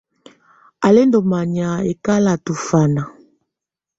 Á lɛ́ ndɔ́ manyá ɛ́kalatɛ̀ ɔ fana.